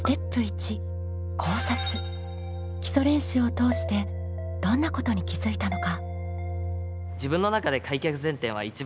基礎練習を通してどんなことに気づいたのか？